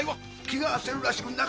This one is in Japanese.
気が焦るらしくて。